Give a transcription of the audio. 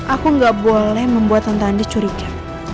aku gak boleh membuat tante andi curiga